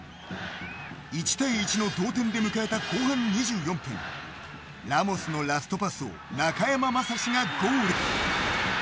１対１の同点で迎えた後半２４分ラモスのラストパスを中山雅史がゴール。